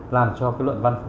làm cho cái luận văn của mình